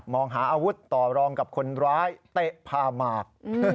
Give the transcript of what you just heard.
องหาอาวุธต่อรองกับคนร้ายเตะพาหมาก